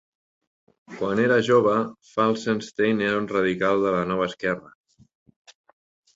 Quan era jove, Felsenstein era un radical de la Nova Esquerra.